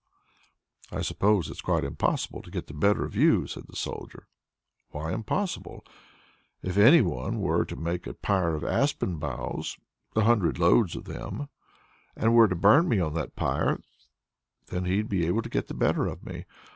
"I suppose it's quite impossible to get the better of you?" says the Soldier. "Why impossible? If any one were to make a pyre of aspen boughs, a hundred loads of them, and were to burn me on that pyre, then he'd be able to get the better of me.